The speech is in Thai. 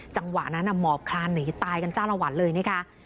จังหวะนั้นหมอบคลานหนีตายกันจ้าละวันเลยนะคะ